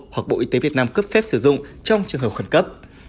hoặc bộ y tế việt nam cấp phép sử dụng trong trường hợp khẩn cấp